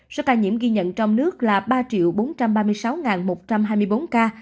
số ca nhiễm ghi nhận trong nước là ba bốn trăm ba mươi sáu một trăm hai mươi bốn ca